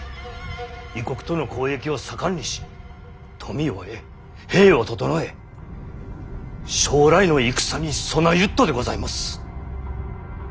異国との交易を盛んにし富を得兵を整え将来の戦に備ゆっとでございもす。